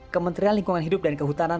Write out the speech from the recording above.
kementerian lingkungan hidup dan kehutanan